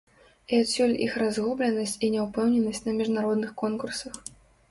І адсюль іх разгубленасць і няўпэўненасць на міжнародных конкурсах.